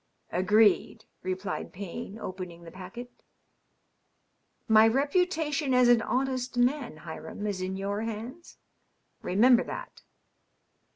*^ Agreed," replied Payne, opening the packet. " My reputation as an honest man, Hiram, is in your hands. Re member that."